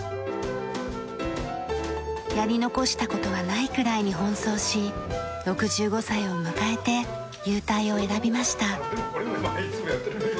やり残した事はないくらいに奔走し６５歳を迎えて勇退を選びました。